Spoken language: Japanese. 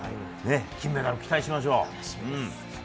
金メダル期待しましょう。